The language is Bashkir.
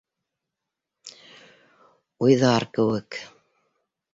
Уйҙар кеүек.